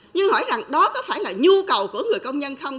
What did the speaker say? nhưng hỏi rằng đó có phải là nhu cầu của người công nhân không